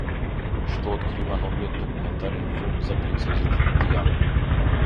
Што открива новиот документарен филм за принцезата Дијана